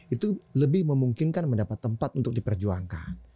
itu lebih memungkinkan mendapat tempat untuk diperjuangkan